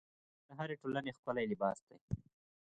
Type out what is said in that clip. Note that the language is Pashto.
ژبه د هرې ټولنې ښکلی لباس دی